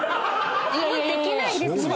できないです無理。